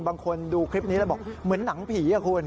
บางคนดูคลิปนี้แล้วบอกเหมือนหนังผีคุณ